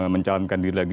mencalonkan diri lagi